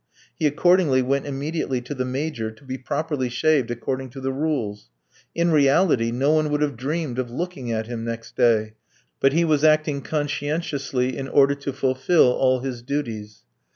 He accordingly went immediately to the "Major" to be properly shaved according to the rules. In reality no one would have dreamed of looking at him next day, but he was acting conscientiously in order to fulfil all his duties.